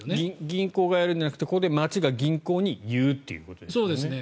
銀行がやるんじゃなくてここで町が銀行に言うってことですね。